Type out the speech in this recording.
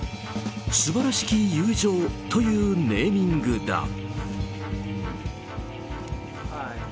「素晴らしき友情」というネーミングだ。